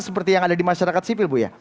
seperti yang ada di masyarakat sipil buya